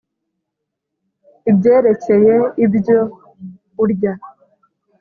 ibyerekeye ibyo urya.